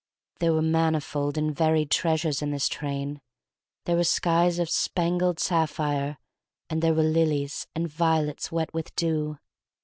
There were manifold and varied treasures in this train. There were skies of spangled sapphire, and there were lilies, and violets wet with dew.